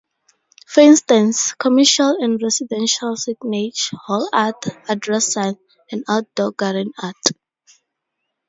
For instance, commercial and residential signage, wall art, address signs, and outdoor garden art.